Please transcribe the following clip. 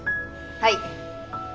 はい。